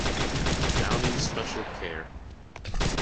Downing's special care.